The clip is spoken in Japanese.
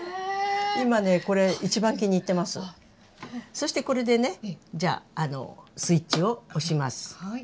そしてこれでねじゃあスイッチを押します。